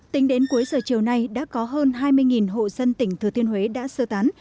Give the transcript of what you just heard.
tính đến cuối giờ chiều nay đã có hơn hai mươi hộ dân tỉnh thừa thiên huế đã sơ tán